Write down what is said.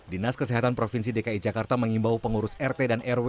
dinas kesehatan provinsi dki jakarta mengimbau pengurus rt dan rw